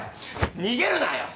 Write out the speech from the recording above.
逃げるなよ！？